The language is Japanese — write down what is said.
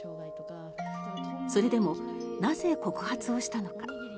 それでもなぜ、告発をしたのか。